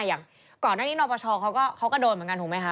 อย่างก่อนหน้านี้นปชเขาก็โดนเหมือนกันถูกไหมคะ